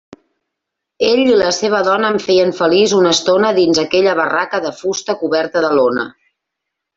Ell i la seva dona em feien feliç una estona dins aquella barraca de fusta coberta de lona.